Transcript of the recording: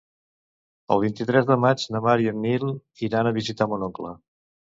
El vint-i-tres de maig na Mar i en Nil iran a visitar mon oncle.